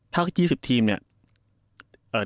ถ้า๒๐ทีมเนี่ย